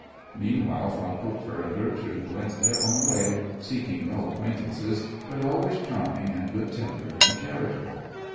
Meanwhile, Frau Kupfer and Gertrude went their own way, seeking no acquaintances, but always charming and good tempered and charitable.